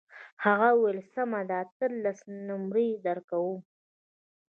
هغه وویل سمه ده اتلس نمرې درکوم.